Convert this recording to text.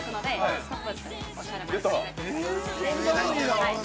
ストップ。